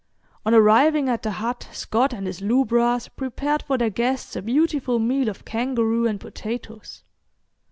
On arriving at the hut Scott and his lubras prepared for their guests a beautiful meal of kangaroo and potatoes.